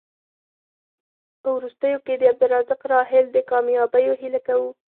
په وروستیو کې د عبدالرزاق راحل د کامیابیو هیله کوو.